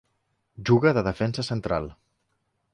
Juga de defensa central.